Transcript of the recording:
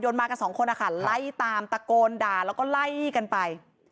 ยนต์มากับ๒คนไล่ตามตะโกนด่าแล้วก็ไล่กันไป